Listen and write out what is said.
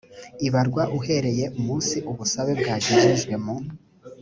ibarwa uhereye umunsi ubusabe bwagerejwe mu